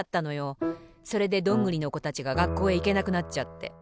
それでどんぐりのこたちががっこうへいけなくなっちゃって。